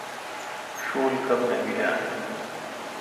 شول کم نہ بیل اؘ۔